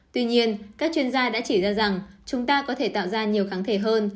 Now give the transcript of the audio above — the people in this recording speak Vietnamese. tuy nhiên các chuyên gia đã chỉ ra rằng chúng ta có thể tạo ra nhiều kháng thể hơn